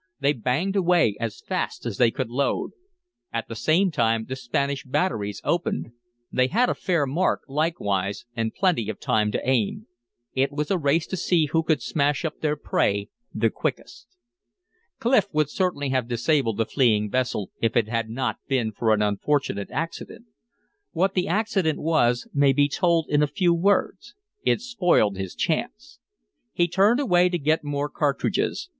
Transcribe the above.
They banged away as fast as they could load. At the same time the Spanish batteries opened. They had a fair mark, likewise, and plenty of time to aim. It was a race to see who could smash up their prey the quickest. Clif would certainly have disabled the fleeing vessel if it had not been for an unfortunate accident. What the accident was may be told in a few words. It spoiled his chance. He turned away to get more cartridges.